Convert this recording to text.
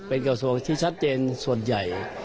เป็นกระทรวงที่ชัดเจนส่วนใหญ่